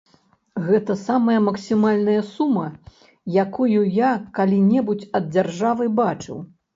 Гэта самая максімальная сума, якую я калі-небудзь ад дзяржавы бачыў.